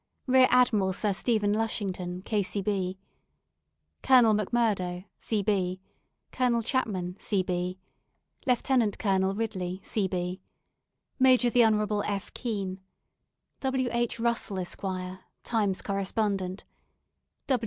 B. Rear Admiral Sir Stephen Lushington, K.C.B. Colonel M'Murdo, C.B. Colonel Chapman, C.B. Lieutenant Colonel Ridley, C.B. Major the Hon. F. Keane. W. H. Russell, Esq. (Times Correspondent).